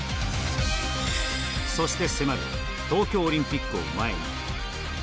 そして迫る東京オリンピックを前に。